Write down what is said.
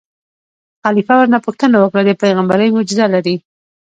خلیفه ورنه پوښتنه وکړه: د پېغمبرۍ معجزه لرې.